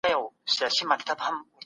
تېر وخت هېڅکله بېرته نه راګرځي.